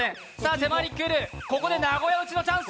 迫り来る、ここで名古屋撃ちのチャンス。